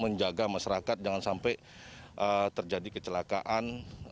menjaga masyarakat jangan sampai terjadi kecelakaan